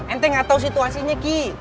ente gak tau situasinya ki